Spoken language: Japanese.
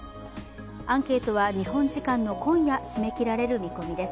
アンケートは日本時間の今夜締め切られる見込みです。